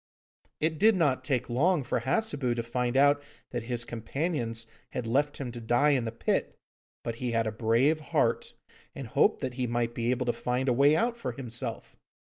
It did not take long for Hassebu to find out that his companions had left him to die in the pit, but he had a brave heart, and hoped that he might be able to find a way out for himself.